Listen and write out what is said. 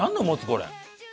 これ。